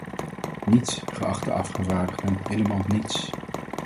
Niets, geachte afgevaardigden, helemaal niets.